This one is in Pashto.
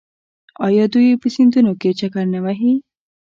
آیا دوی په سیندونو کې چکر نه وهي؟